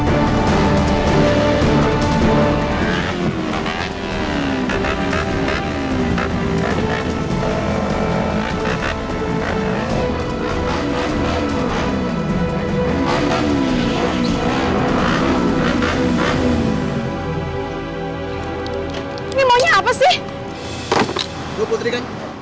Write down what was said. ini maunya apa sih